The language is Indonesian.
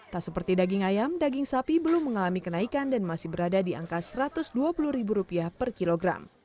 tak seperti daging ayam daging sapi belum mengalami kenaikan dan masih berada di angka rp satu ratus dua puluh per kilogram